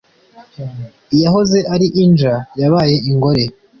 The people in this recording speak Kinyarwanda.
iyahoze ari inja yabaye ingore.